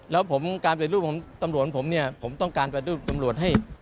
และการปฏิรูปตำรวจของผมผมต้องการปฏิรูปตำรวจ